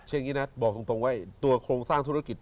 อย่างนี้นะบอกตรงว่าตัวโครงสร้างธุรกิจ